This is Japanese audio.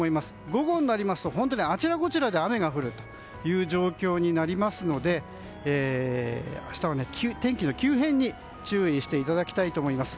午後になりますと本当にあちらこちらで雨が降る状況になりますので明日は天気の急変に注意していただきたいと思います。